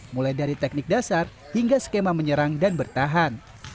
mulai dari teknik dasar hingga skema menyerang dan bertahan